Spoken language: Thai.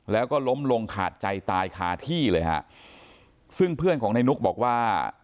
แล้วก็ล้มลงขาดใจตายคาที่เลยฮะซึ่งเพื่อนของนายนุ๊กบอกว่า